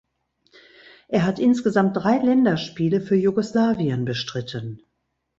Er hat insgesamt drei Länderspiele für Jugoslawien bestritten.